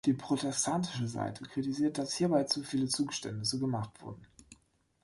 Die protestantische Seite kritisiert, dass hierbei zu viele Zugeständnisse gemacht wurden.